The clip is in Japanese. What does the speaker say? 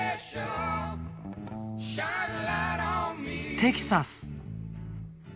テキサス。